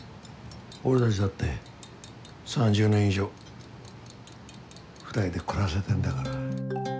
俺たちだって３０年以上２人で暮らせてんだから。